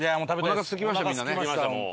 おなかすきましたもう。